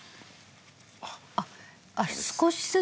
あっ少しずつ？